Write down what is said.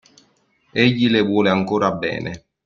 Egli le vuole ancora bene.